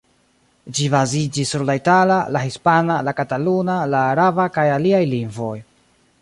Ĝi baziĝis sur la itala, la hispana, la kataluna, la araba kaj aliaj lingvoj.